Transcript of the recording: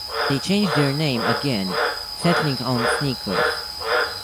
They changed their name again, settling on Sneakers.